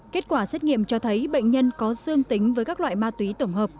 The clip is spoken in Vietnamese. kết quả xét nghiệm cho thấy bệnh nhân có dương tính với các loại ma túy tổng hợp